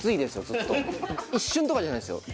一瞬とかじゃないですよ。